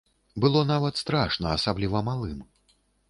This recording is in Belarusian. Было нават страшна, асабліва малым.